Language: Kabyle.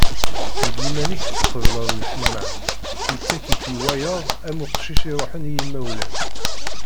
Deg yiman-ik tqebleḍ Lḥemmam, yettak-ik i wayeḍ am uqcic iruḥen i yimawlan.